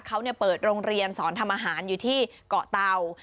เขาเปิดโรงเรียนสอนทำอาหารอยู่ที่เกาะเตา